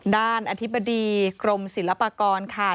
อธิบดีกรมศิลปากรค่ะ